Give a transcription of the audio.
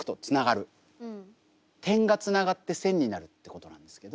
点がつながって線になるってことなんですけど。